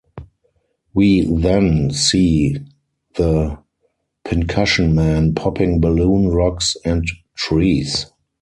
We then see the Pincushion Man popping balloon rocks and trees.